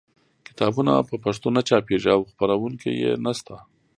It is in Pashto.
کتابونه په پښتو نه چاپېږي او خپرونکي یې نشته.